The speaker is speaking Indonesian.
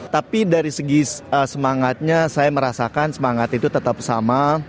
tapi dari segi semangatnya saya merasakan semangat itu tetap sama